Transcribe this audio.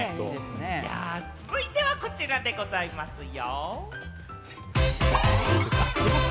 続いてはこちらでございますよ。